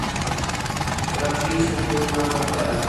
Karachi Istanbul نہ بن پایا